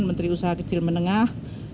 menteri usaha kecil menengah